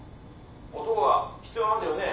男が必要なんだよね？